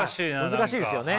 難しいですよね。